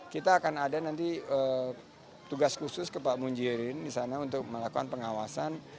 kita akan ada nanti tugas khusus ke pak munjirin di sana untuk melakukan pengawasan